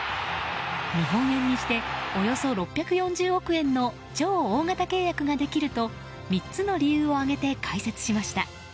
日本円にしておよそ６４０億円の超大型契約ができると３つの理由を挙げて解説しました。